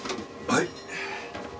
はい？